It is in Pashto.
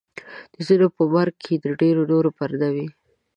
د ځینو په مرګ کې د ډېرو نورو پرده وي.